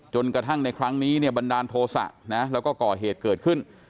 กระทั่งในครั้งนี้เนี่ยบันดาลโทษะนะแล้วก็ก่อเหตุเกิดขึ้น